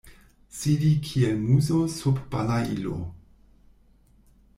Sidi kiel muso sub balailo.